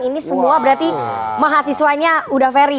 ini semua berarti mahasiswanya udaferi